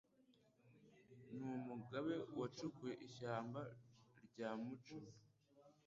Ni Umugabe wacukuye ishyamba rya Mucumi